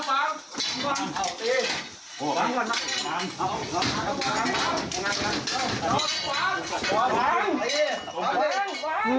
วาง